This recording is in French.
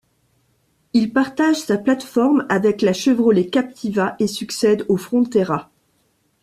Il partage sa plateforme avec la Chevrolet Captiva et succède au Frontera.